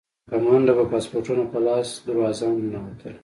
په منډه به پاسپورټونه په لاس دروازه ننوتل.